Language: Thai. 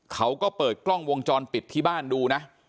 เขาก็เปิดกล้องวงจรปิดที่บ้านดูนะ